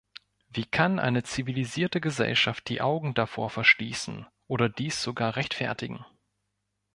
Wie kann eine zivilisierte Gesellschaft die Augen davor verschließen oder dies sogar rechtfertigen?